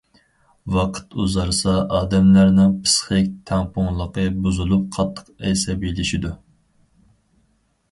ۋاقىت ئۇزارسا ئادەملەرنىڭ پىسخىك تەڭپۇڭلۇقى بۇزۇلۇپ قاتتىق ئەسەبىيلىشىدۇ.